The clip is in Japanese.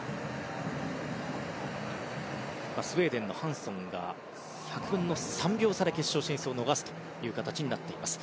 スウェーデンのハンソンが１００分の３秒差で決勝進出を逃すという形になっています。